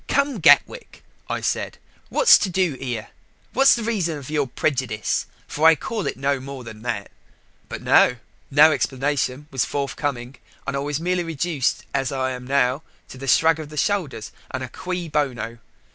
'Come, Gatwick,' I said, 'what's to do here? What's the reason of your prejudice for I can call it no more than that?' But, no! no explanation was forthcoming. And I was merely reduced, as I am now, to a shrug of the shoulders, and a cui bono.